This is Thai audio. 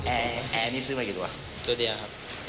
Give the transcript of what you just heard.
แอร์อันนี้ซื้อมากี่ตัวตัวเดียวครับ